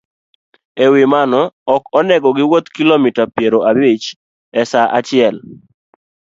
E wi mano, ok onego giwuoth kilomita piero abich e sa achiel